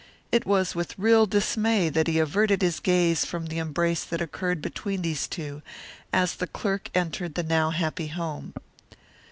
It was with real dismay that he averted his gaze from the embrace that occurred between these two, as the clerk entered the now happy home.